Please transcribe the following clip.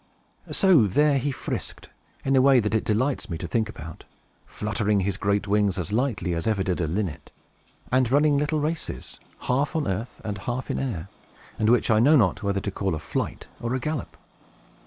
So there he frisked, in a way that it delights me to think about, fluttering his great wings as lightly as ever did a linnet, and running little races, half on earth and half in air, and which I know not whether to call a flight or a gallop.